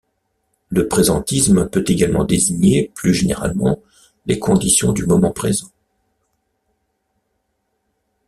Le présentisme peut également désigner plus généralement les conditions du moment présent.